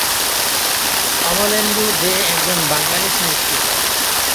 অমলেন্দু দে একজন বাঙালি সাহিত্যিক।